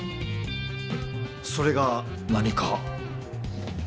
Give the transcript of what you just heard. それが何か？